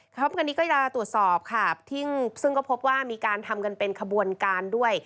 พร้อมกันนี้ก็จะตรวจสอบค่ะซึ่งก็พบว่ามีการทำกันเป็นขบวนการด้วย